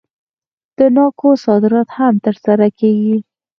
د ناکو صادرات هم ترسره کیږي.